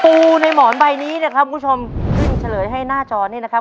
ในหมอนใบนี้นะครับคุณผู้ชมขึ้นเฉลยให้หน้าจอนี่นะครับ